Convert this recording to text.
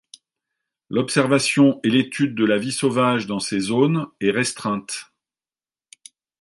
L'observation et l'étude de la vie sauvage dans ces zones est restreinte.